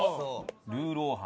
ルーロー飯。